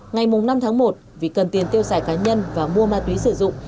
ngày năm tháng một vì cần tiền tiêu xài cá nhân và mua ma túy sử dụng